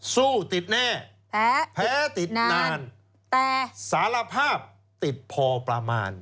สู้ติดแน่แพ้แพ้ติดนานแต่สารภาพติดพอประมาณ